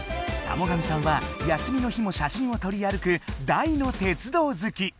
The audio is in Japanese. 田母神さんは休みの日も写真をとり歩く大の鉄道好き。